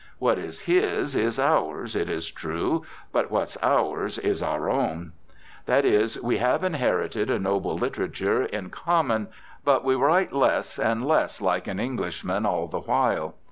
What is his is ours, it is true; but what's ours is our own. That is, we have inherited a noble literature in common. But we write less and less like an Englishman all the while.